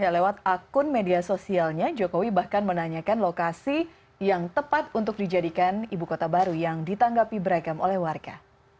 lewat akun media sosialnya jokowi bahkan menanyakan lokasi yang tepat untuk dijadikan ibu kota baru yang ditanggapi beragam oleh warga